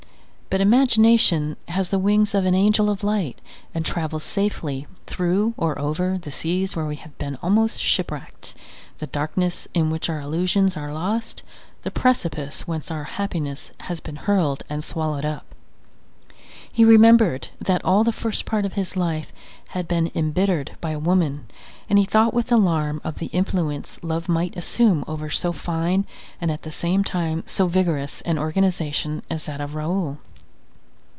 But imagination has the wings of an angel of light and travels safely through or over the seas where we have been almost shipwrecked, the darkness in which our illusions are lost, the precipice whence our happiness has been hurled and swallowed up. He remembered that all the first part of his life had been embittered by a woman and he thought with alarm of the influence love might assume over so fine, and at the same time so vigorous an organization as that of Raoul.